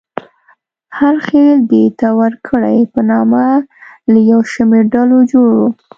هر خېل د دیه ورکړې په نامه له یو شمېر ډلو جوړ و.